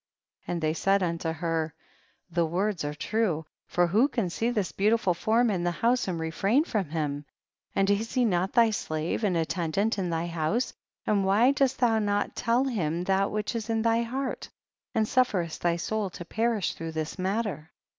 And they said unto her, the words are true, for who can see this beautiful form in the house and re frain from him, and is he not thy slave and attendant in thy house, and why dost thou not tell him that which is in thy heart, and sufferest thy soul to perigh through this matter